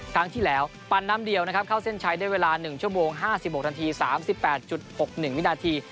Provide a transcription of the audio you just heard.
ครั้งที่แล้วปันน้ำเดียวนะครับเข้าเส้นชัยได้เวลา๑ชั่วโมง๕๖นาที๓๘๖๑วินาที